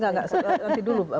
nanti dulu mbak